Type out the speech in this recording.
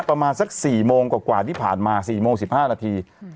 ประมาณสักสี่โมงกว่าที่ผ่านมาสี่โมงสิบห้านาที